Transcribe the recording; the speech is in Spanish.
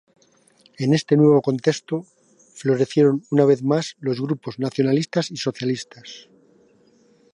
En este nuevo contexto, florecieron una vez más los grupos nacionalistas y socialistas.